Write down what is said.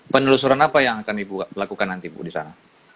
penelusuran apa yang akan dilakukan nanti ibu di sana